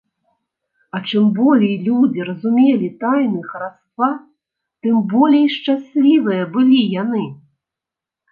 А чым болей людзі разумелі тайны хараства, тым болей шчаслівыя былі яны.